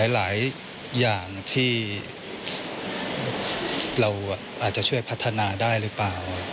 หลายอย่างที่เราอาจจะช่วยพัฒนาได้หรือเปล่า